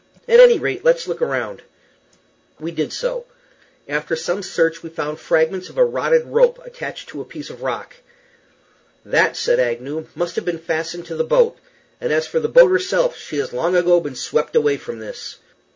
At any rate, let's look around." We did so. After some search we found fragments of a rotted rope attached to a piece of rock. "That," said Agnew, "must have been fastened to the boat; and as for the boat herself, she has long ago been swept away from this."